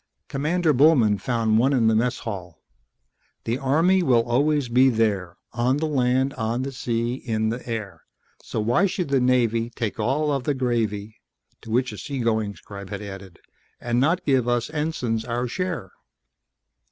Commander Bullman found one in the mess hall: The Army will always be there, On the land, on the sea, in the air. So why should the Navy Take all of the gravy ... to which a seagoing scribe had added: _And not give us ensigns our share?